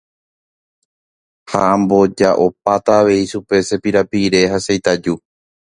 Ha amboja'opáta avei chupe che pirapire ha che itaju.